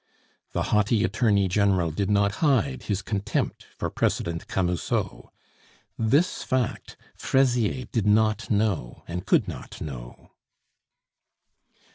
The haughty attorney general did not hide his contempt for President Camusot. This fact Fraisier did not know, and could not know.